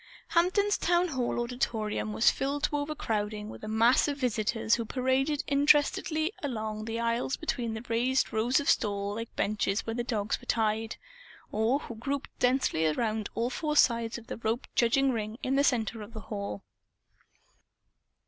Hampton's town hall auditorium was filled to overcrowding, with a mass of visitors who paraded interestedly along the aisles between the raised rows of stall like benches where the dogs were tied; or who grouped densely around all four sides of the roped judging ring in the center of the hall.